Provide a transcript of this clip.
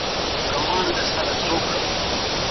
آیا ته کولای سې په کمپیوټر کې درس ووایې؟